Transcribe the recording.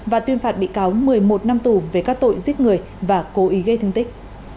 và tuyên phạt bị cáo một mươi một năm tù về các tội giết người và cố ý gây thương tích